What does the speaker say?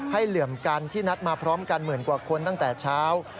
เหลื่อมกันที่นัดมาพร้อมกันหมื่นกว่าคนตั้งแต่เช้า